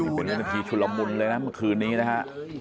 เป็นวินาทีชุลมุนเลยนะเมื่อคืนนี้นะฮะ